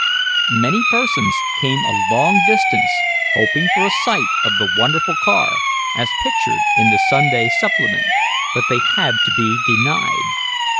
Many persons came a long distance, hoping for a sight of the wonderful car, as pictured in the Sunday supplement, but they had to be denied.